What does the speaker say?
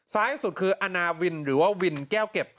ซ้ายสุดคืออาณาวินหรือว่าวินแก้วเก็บ